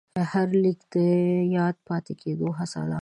هر لیک د یاد پاتې کېدو هڅه ده.